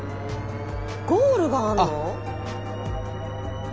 ゴールがあるの？